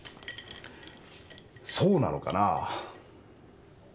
そうなのかな？